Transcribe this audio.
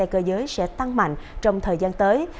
xe cơ giới sẽ tăng mạnh trong thời gian tới